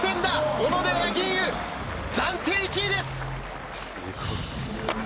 小野寺吟雲、暫定１位です！